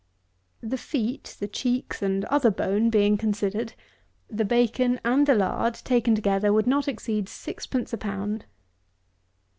The feet, the cheeks, and other bone, being considered, the bacon and lard, taken together, would not exceed sixpence a pound.